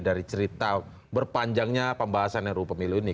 dari cerita berpanjangnya pembahasan yang ru pemilu ini